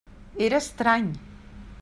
Era estrany.